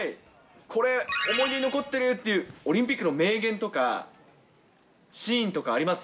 これ、思い出に残ってるっていうオリンピックの名言とか、シーンとかあります？